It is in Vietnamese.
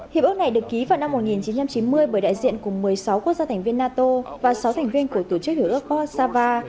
hiệp ước này được ký vào năm một nghìn chín trăm chín mươi bởi đại diện cùng một mươi sáu quốc gia thành viên nato và sáu thành viên của tổ chức hiểu ước post sava